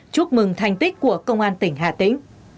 chúc mừng thành tích của công an tỉnh hà tĩnh